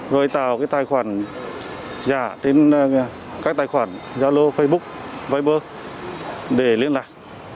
rồi tạo các tài khoản giao lô facebook viber để liên lạc